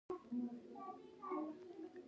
هندوکش د افغانستان تر ټولو لوی غر دی